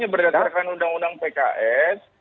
berdasarkan undang undang pks